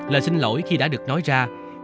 lời xin lỗi khi đã được nói ra